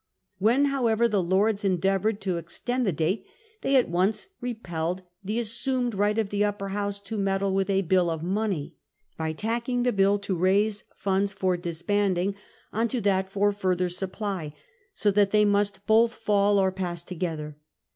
When however the Lords endeavoured to extend the date, they at once repelled the assumed right of the Upper House to meddle with a 'bill of money,' by tack ing the bill to raise funds for disbanding on to that for the further supply, so that they must both fall or pass together.